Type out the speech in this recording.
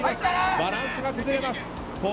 バランスが崩れます。